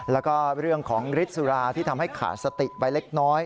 แล้วก็เรื่องของฤทธิ์สุราที่ทำให้ขาดสติไปเล็กน้อย